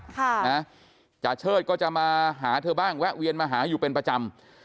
ค่ะนะจาเชิดก็จะมาหาเธอบ้างแวะเวียนมาหาอยู่เป็นประจำ